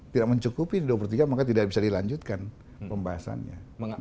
tidak mencukupi di dua puluh tiga maka tidak bisa dilanjutkan pembahasannya